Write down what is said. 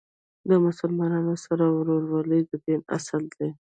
د مسلمانانو سره ورورولۍ د دین اصل دی.